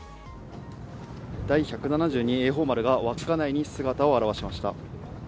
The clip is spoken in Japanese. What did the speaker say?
第１７２榮寳丸が稚内に姿を現しました。